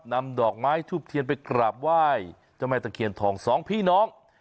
นำดอกไม้ทูบเทียนไปกราบไหว้เจ้าแม่ตะเคียนทองสองพี่น้อง